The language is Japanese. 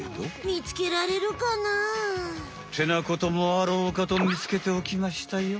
みつけられるかな？ってなこともあろうかとみつけておきましたよ。